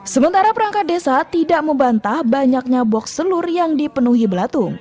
sementara perangkat desa tidak membantah banyaknya box telur yang dipenuhi belatung